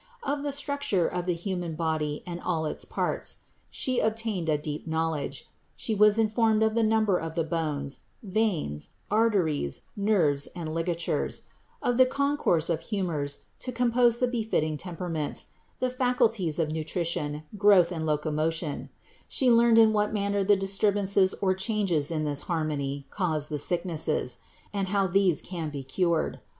Of the structure of the human body and all its parts, She obtained a deep knowledge: She was informed of the number of the bones, veins, arteries, nerves and ligatures ; of the concourse of humors to compose the befitting temperaments, the faculties of nutrition, growth and loco motion ; She learned in what manner the disturbances or changes in this harmony caused the sicknesses, and how these can be cured.